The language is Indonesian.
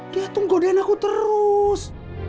dia tuh ngegodein aku terus